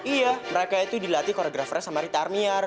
iya mereka itu dilatih koreografernya sama ritar miar